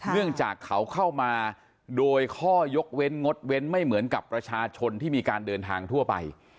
เนื่องจากเขาเข้ามาโดยข้อยกเว้นงดเว้นไม่เหมือนกับประชาชนที่มีการเดินทางทั่วไป